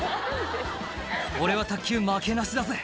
「俺は卓球負けなしだぜ」